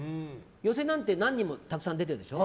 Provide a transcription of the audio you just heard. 寄せなんて何人もたくさん出てるでしょ。